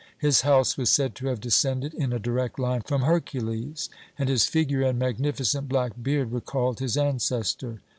His house was said to have descended in a direct line from Hercules, and his figure and magnificent black beard recalled his ancestor.